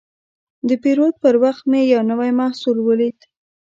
د پیرود پر وخت مې یو نوی محصول ولید.